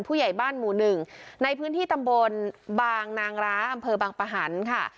ผู้ใหญ่บ้านหมู่หนึ่งในพื้นที่ตำบลบางนางร้าอำเภอบางปะหันค่ะ